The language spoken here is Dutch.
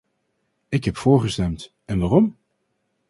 Ik heb voor gestemd, en waarom?